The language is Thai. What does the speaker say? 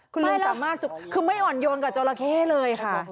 คุณแม่สามารถคือไม่อ่อนโยนกับจราเข้เลยค่ะ